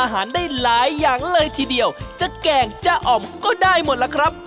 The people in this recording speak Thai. ได้หลายอย่างเลยทีเดียวจะแกงจะอ่อมก็ได้หมดล่ะครับ